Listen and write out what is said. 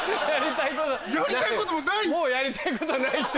もうやりたいことはないって。